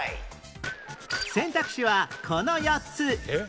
選択肢はこの４つ